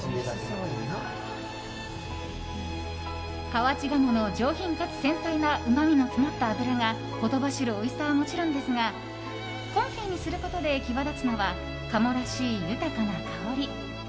河内鴨の上品かつ繊細なうまみの詰まった脂がほとばしるおいしさはもちろんですがコンフィにすることで際立つのは鴨らしい豊かな香り。